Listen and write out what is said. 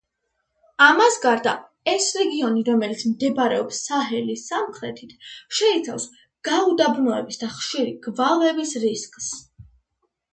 ამას გარდა, ეს რეგიონი, რომელიც მდებარეობს საჰელის სამხრეთით, შეიცავს გაუდაბნოების და ხშირი გვალვების რისკს.